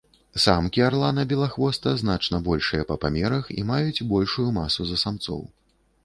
Самкі арлана-белахвоста значна большыя па памерах і маюць большую масу за самцоў.